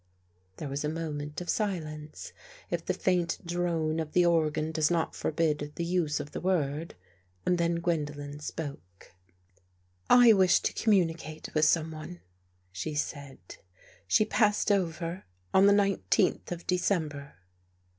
There was a moment of silence, if the faint drone of the organ does not forbid the use of the word, and then Gwendolen spoke. '' I wish to communicate with someone," she said. " She passed over on the nineteenth of December."